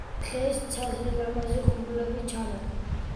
დღეს ცაზე ლამაზი ღრუბლები ჩანან